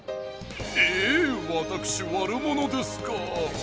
ええ⁉わたくしわるものですかあ。